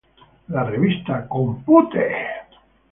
La revista "Compute!